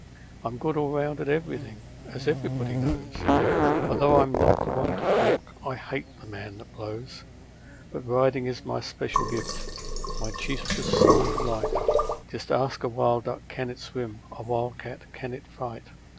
I'm good all round at everything, as everybody knows, Although I'm not the one to talk I HATE a man that blows. But riding is my special gift, my chiefest, sole delight; Just ask a wild duck can it swim, a wild cat can it fight.